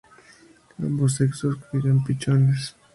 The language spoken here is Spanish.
Ambos sexos cuidan los pichones.